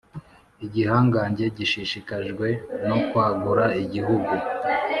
igihangange gishishikajwe no kwagura igihugu